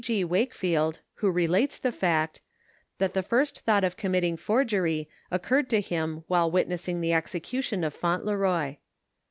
G. Wakefield, who relates the fact, that the first thought of committing forgery occurred to him while witnessing the exe cution of Fauntleroy.